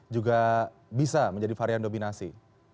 juga bisa menjadi varian dominasi